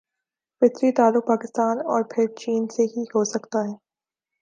فطری تعلق پاکستان اور پھر چین سے ہی ہو سکتا ہے۔